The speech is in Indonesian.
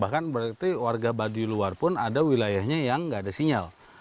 bahkan berarti warga baduy luar pun ada wilayahnya yang nggak ada sinyal